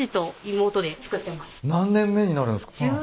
何年目になるんすか？